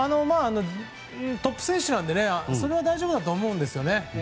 トップ選手なのでそれは大丈夫だと思うんですね。